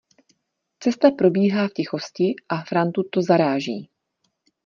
Cesta probíhá v tichosti a Frantu to zaráží.